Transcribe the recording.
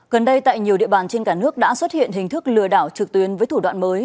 gần đây tại nhiều địa bàn trên cả nước đã xuất hiện hình thức lừa đảo trực tuyến với thủ đoạn mới